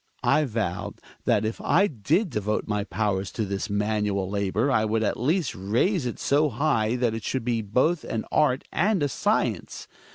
Hjalmar. I vowed that if I did devote my powers to this manual labor I would at least raise it so high that it should be both an art ajid^A acience.